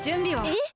えっ！？